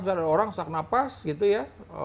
misalnya ada orang sesak napas gitu ya